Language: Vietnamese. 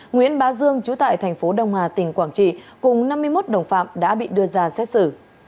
nguyễn bá dương chú tại thành phố đông hà tỉnh quảng trị cùng năm mươi một đồng phạm đã bị đưa ra xét xử